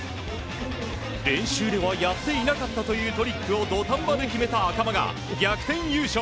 練習ではやっていなかったというトリックを土壇場で決めた赤間が逆転優勝。